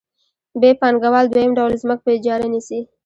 ب پانګوال دویم ډول ځمکه په اجاره نیسي